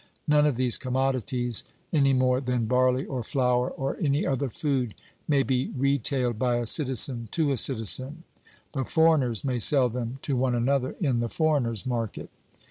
None of these commodities, any more than barley or flour, or any other food, may be retailed by a citizen to a citizen; but foreigners may sell them to one another in the foreigners' market.